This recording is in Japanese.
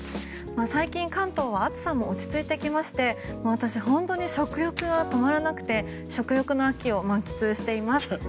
最近関東は暑さも落ち着いてきて私、本当に食欲が止まらなくて食欲の秋を満喫しています。